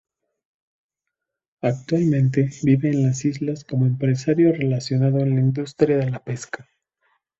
Actualmente vive en las islas como empresario relacionado en la industria de la pesca.